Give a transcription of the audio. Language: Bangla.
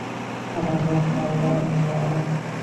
সামান্য ফলার নয়।